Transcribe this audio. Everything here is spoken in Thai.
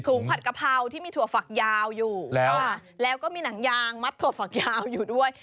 ผัดกะเพราที่มีถั่วฝักยาวอยู่แล้วแล้วก็มีหนังยางมัดถั่วฝักยาวอยู่ด้วย